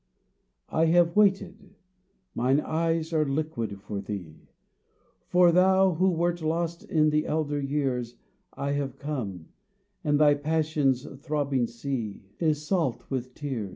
" I have waited ; mine eyes are liquid for thee, For thou who wert lost in the elder years ; I have come, and thy passions throbbing sea Is salt with tears.